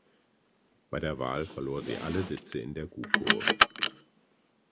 Bei der Wahl verlor sie alle Sitze in der Gukhoe.